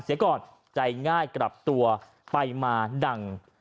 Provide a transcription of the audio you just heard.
เสียก่อนใจง่ายกลับตัวไปมาดัง